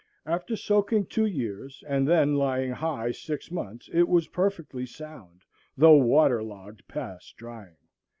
After soaking two years and then lying high six months it was perfectly sound, though waterlogged past drying.